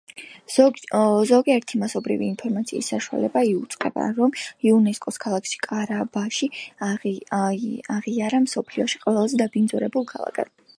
ზოგიერთი მასობრივი ინფორმაციის საშუალება იუწყება, რომ იუნესკომ ქალაქი კარაბაში აღიარა მსოფლიოში ყველაზე დაბინძურებულ ქალაქად.